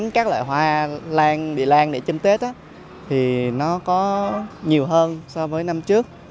các loại hoa bị lan để trưng tết thì nó có nhiều hơn so với năm trước